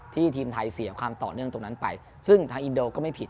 ทีมไทยเสียความต่อเนื่องตรงนั้นไปซึ่งทางอินโดก็ไม่ผิด